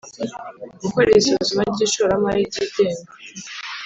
gukora isuzuma ry ishoramari ryigenga